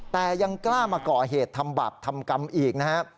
แต่ยังกล้ามาก่อเหตุทำบาปทำกรรมอีกนะครับ